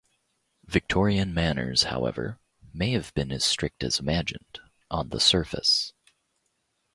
Victorian manners, however, may have been as strict as imagined-on the surface.